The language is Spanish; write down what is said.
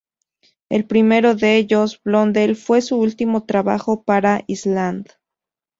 El primero de ellos, "Blondel", fue su último trabajo para Island.